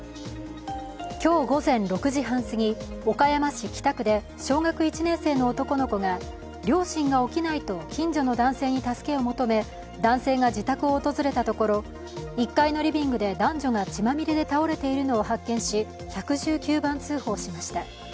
今日午前６時半過ぎ、岡山市北区で小学１年生の男の子が両親が起きないと近所の男性に助けを求め、男性が自宅を訪れたところ１階のリビングで男女が血まみれて倒れているのを発見し、１１９番通報しました。